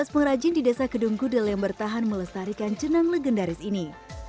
merajin di desa kedung gudel yang bertahan melestarikan jenang legendaris ini